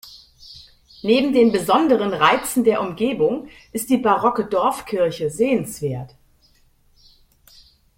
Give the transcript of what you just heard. Neben den besonderen Reizen der Umgebung ist die barocke Dorfkirche sehenswert.